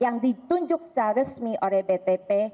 yang ditunjuk secara resmi oleh btp